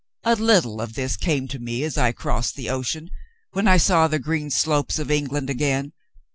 "A little of this came to me as I crossed the ocean, when I saw the green slopes of England again.